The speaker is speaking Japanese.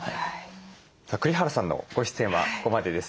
栗原さんのご出演はここまでです。